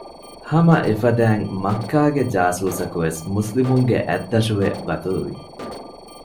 ހަމައެފަދައިން މައްކާގެ ޖާސޫސަކުވެސް މުސްލިމުންގެ އަތްދަށުވެ ޤަތުލުވި